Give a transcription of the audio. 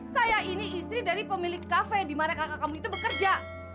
saya ini istri dari pemilik cafe dimana kakak kamu itu bekerja